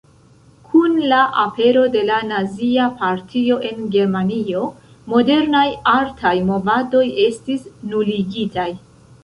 Kun la apero de la Nazia Partio en Germanio, modernaj artaj movadoj estis nuligitaj.